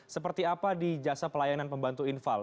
seperti apa di jasa pelayanan pembantu infal